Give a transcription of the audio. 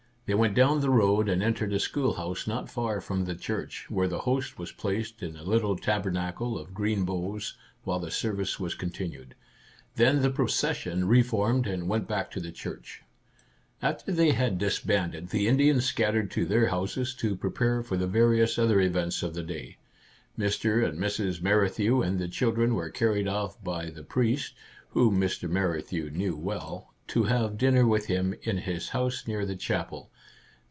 They went down the road and entered a schoolhouse not far from the church, where the host was placed in a little tabernacle of green boughs while the service was continued. Then the procession re formed and went back to the church. Our Little Canadian Cousin 35 After they had disbanded, the Indians scat tered to their houses to prepare for the various other events of the day. Mr. and Mrs. Mer rithew and the children were carried off by the priest (whom Mr. Merrithew knew well) to have dinner with him in his house near the chapel.